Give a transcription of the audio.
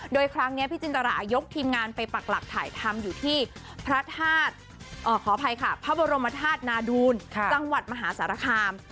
โดยครั้งนี้พี่จินตรายกทีมงานไปปรักหลักถ่ายธรรมอยู่ที่พระบรมธาตุนาดูนจังหวัดมหาสารคาม